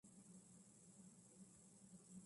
今日は雨模様です。